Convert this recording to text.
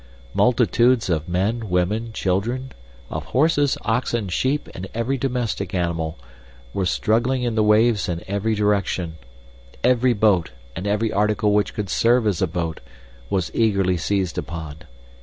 "Multitudes of men, women, children, of horses, oxen, sheep, and every domestic animal, were struggling in the waves in every direction. Every boat and every article which could serve as a boat was eagerly seized upon.